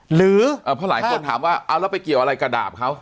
หรือเพราะหลายคนถามว่าเอาแล้วไปเกี่ยวอะไรกระดาบเขา